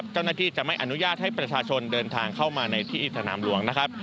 เจ้าหน้าที่จะไม่อนุญาตให้ประชาชนเดินทางเข้ามาในที่สนามหลวงนะครับ